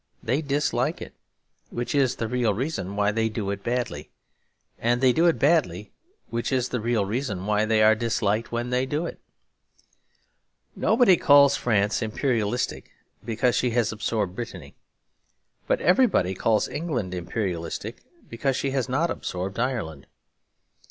They dislike it, which is the real reason why they do it badly; and they do it badly, which is the real reason why they are disliked when they do it. Nobody calls France imperialistic because she has absorbed Brittany. But everybody calls England imperialistic because she has not absorbed Ireland.